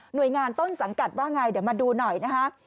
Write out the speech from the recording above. โดยงานต้นสังกัดว่าไงเดี๋ยวมาดูหน่อยนะคะ